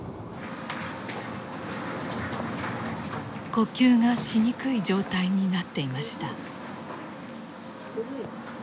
呼吸がしにくい状態になっていました。